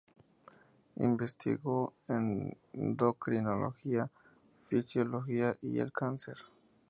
Investigó en endocrinología, fisiología y el cáncer.